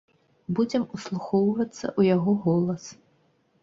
Будзем услухоўвацца ў яго голас.